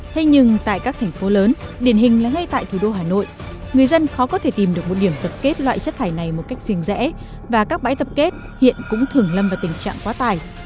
thế nhưng tại các thành phố lớn điển hình là ngay tại thủ đô hà nội người dân khó có thể tìm được một điểm tập kết loại chất thải này một cách riêng rẽ và các bãi tập kết hiện cũng thường lâm vào tình trạng quá tải